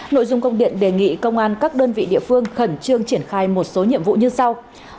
nội dung công điện đề nghị công an các đơn vị địa phương khẩn trương triển khai một số nhiệm vụ như sau